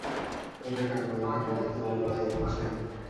ওদের কাণ্ডকারখানা দেখতে পাব, তাই বলছেন?